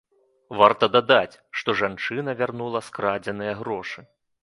Варта дадаць, што жанчына вярнула скрадзеныя грошы.